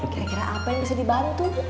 kira kira apa yang bisa dibantu